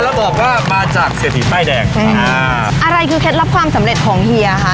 แล้วบอกว่ามาจากเศรษฐีป้ายแดงอ่าอะไรคือเคล็ดลับความสำเร็จของเฮียค่ะ